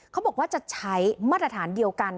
เขาบอกว่าจะใช้มาตรฐานเดียวกัน